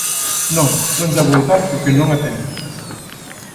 Non, non lla vou dar porque non a ten.